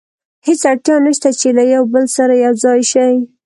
هېڅ اړتیا نه شته چې له یو بل سره یو ځای شي.